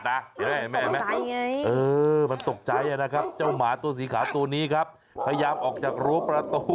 เห็นไหมมันตกใจนะครับเจ้าหมาตัวสีขาวตัวนี้ครับพยายามออกจากรั้วประตู